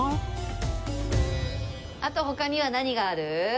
あと他には何がある？